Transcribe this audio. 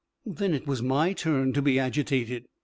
Then it was my turn to be agitated.